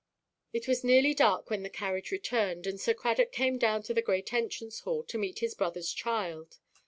It was nearly dark when the carriage returned; and Sir Cradock came down to the great entrance–hall to meet his brotherʼs child.